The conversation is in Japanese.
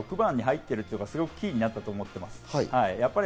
昨日は岡本選手が６番に入っているというのがキーになったと思います。